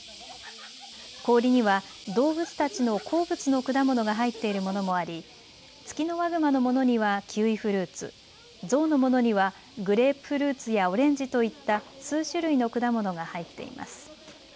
氷には動物たちの好物の果物が入っているものもありツキノワグマのものにはキウイフルーツ、ゾウのものにはグレープフルーツやオレンジといった数種類の果物が入っています。